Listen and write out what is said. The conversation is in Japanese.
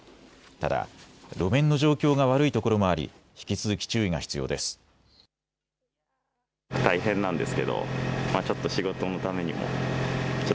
ただ、路面の状況が悪いところもあり、引き続き注意が必要です。